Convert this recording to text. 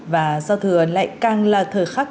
và do thừa lại càng là thời khắc